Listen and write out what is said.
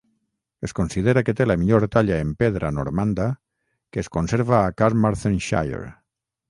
Es considera que té la millor talla en pedra normanda que es conserva a Carmarthenshire.